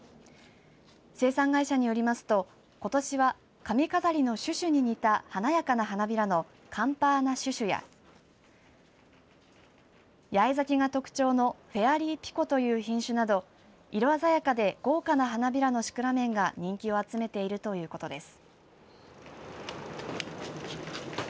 生産会社によりますとことしは髪飾りのシュシュに似た華やかな花びらのカンパーナシュシュや八重咲きが特徴のフェアリーピコという品種など色鮮やかで豪華な花びらのシクラメンが人気を集めているということです。